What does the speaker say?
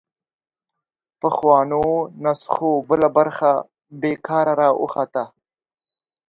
پخوانو نسخو بله برخه بېکاره راوخته